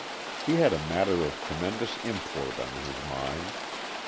He had a matter of tremendous import on his mind.